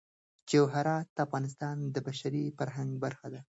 جواهرات د افغانستان د بشري فرهنګ برخه ده.